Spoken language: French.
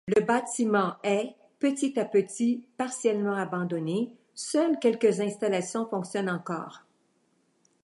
Le bâtiment est, petit à petit, partiellement abandonné, seules quelques installations fonctionnent encore.